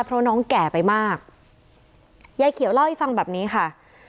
เพราะน้องแก่ไปมากยายเขียวเล่าให้ฟังแบบนี้ค่ะ